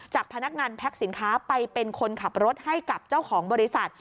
พนักงานแพ็คสินค้าไปเป็นคนขับรถให้กับเจ้าของบริษัท